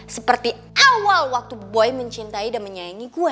seperti awal waktu boy mencintai dan menyayangi kue